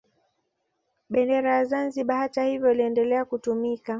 Bendera ya Zanzibar hata hivyo iliendelea kutumika